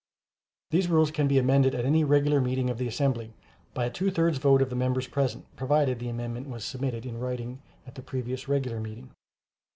These rules can be amended at any regular meeting of the assembly, by a two thirds vote of the members present, provided the amendment was submitted in writing at the previous regular meeting.